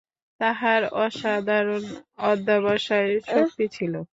তাঁহার অসাধারণ অধ্যবসায়-শক্তি ছিল।